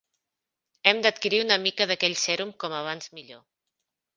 Hem d'adquirir una mica d'aquell sèrum com abans millor.